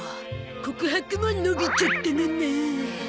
告白ものびちゃったのね。